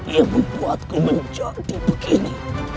yang membuatku menjadi begini